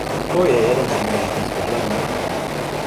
To je jeden z důležitých pohledů.